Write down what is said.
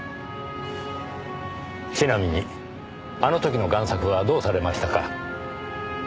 ちなみにあの時の贋作はどうされましたか？